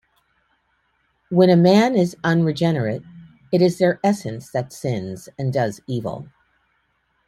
When a man is unregenerate, it is their essence that sins and does evil.